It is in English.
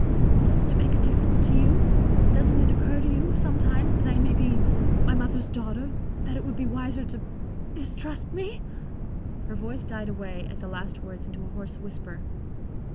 "Doesn't it make a difference to you? Doesn't it occur to you sometimes that I may be my mother's daughter; that it would be wiser to distrust me?" Her voice died away at the last words into a hoarse whisper.